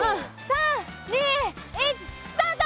３２１スタート！